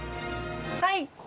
はい！